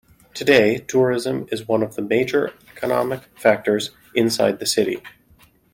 Today, tourism is one of the major economic factors inside the city.